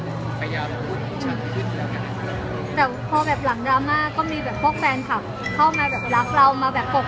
ก็ผมกลัวว่าผมรู้ชัก